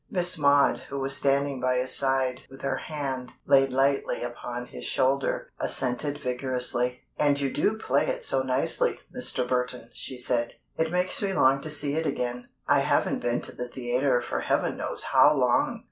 Miss Maud, who was standing by his side with her hand laid lightly upon his shoulder, assented vigorously. "And you do play it so nicely, Mr. Burton," she said. "It makes me long to see it again. I haven't been to the theatre for heaven knows how long!"